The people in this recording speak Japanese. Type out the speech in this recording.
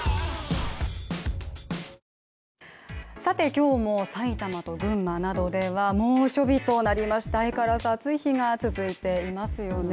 今日も埼玉と群馬などでは猛暑日となりました相変わらず暑い日が続いていますよね。